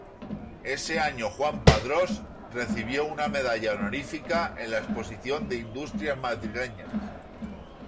Ese año Juan Padrós recibió una medalla honorífica en la Exposición de Industrias Madrileñas.